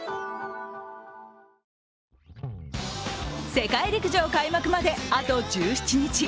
世界陸上開幕まであと１７日。